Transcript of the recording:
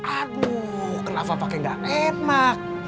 aduh kenapa pakai gak enak